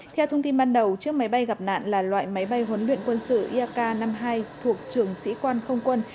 theo thông tin ban đầu chiếc máy bay gặp nạn là loại máy bay huấn luyện quân sự iak năm mươi hai thuộc trường sĩ quan không quân